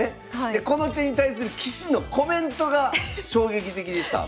でこの手に対する棋士のコメントが衝撃的でした。